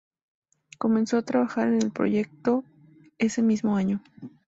Comenzó a trabajar en el proyecto ese mismo año.